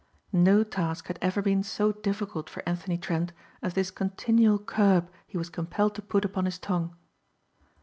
No task had ever been so difficult for Anthony Trent as this continual curb he was compelled to put upon his tongue.